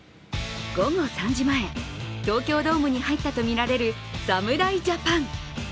午後３時前、東京ドームに入ったとみられる侍ジャパン。